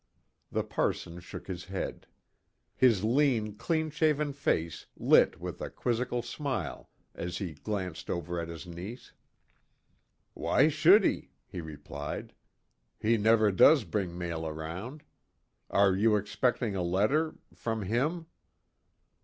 The parson shook his head. His lean, clean shaven face lit with a quizzical smile as he glanced over at his niece. "Why should he?" he replied. "He never does bring mail round. Are you expecting a letter from him?"